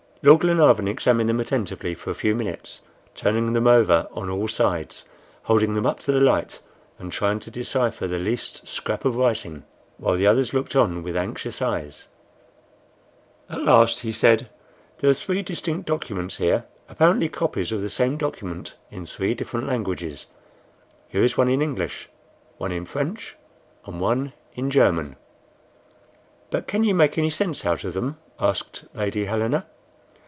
Lord Glenarvan examined them attentively for a few minutes, turning them over on all sides, holding them up to the light, and trying to decipher the least scrap of writing, while the others looked on with anxious eyes. At last he said: "There are three distinct documents here, apparently copies of the same document in three different languages. Here is one in English, one in French, and one in German." "But can you make any sense out of them?" asked Lady Helena.